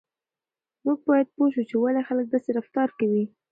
موږ باید پوه شو چې ولې خلک داسې رفتار کوي.